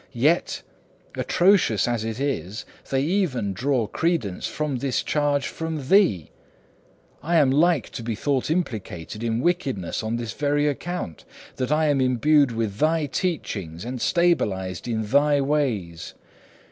Yet atrocious as it is they even draw credence for this charge from thee; I am like to be thought implicated in wickedness on this very account, that I am imbued with thy teachings and stablished in thy ways.